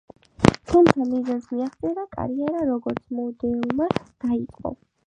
თუმცა მიზანს მიაღწია და კარიერა როგორც მოდელმა დაიწყო.